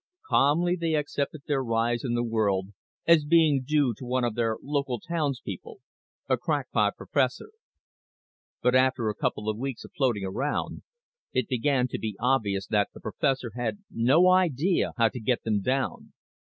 Calmly they accepted their rise in the world as being due to one of their local townspeople, a crackpot professor. But after a couple of weeks of floating around, it began to be obvious that the professor had no idea how to get them down.